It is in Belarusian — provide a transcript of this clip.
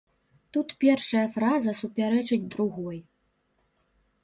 Тут першая фраза супярэчыць другой.